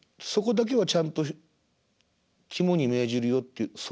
そこだけはちゃんと肝に銘じるよっていう。